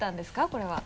これは。